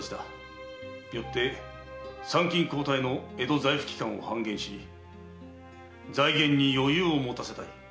よって参勤交代の江戸在府期間を半減し財源に余裕を持たせたい。